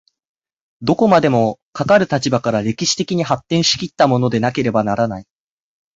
どこまでもかかる立場から歴史的に発展し来ったものでなければならない。